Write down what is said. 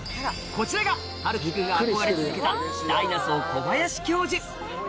こちらが晴輝君が憧れ続けたダイナソー小林教授